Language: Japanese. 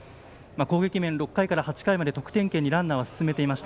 ６回から８回で得点圏にランナー進めていました。